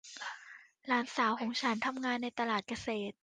หลานสาวของฉันทำงานในตลาดเกษตร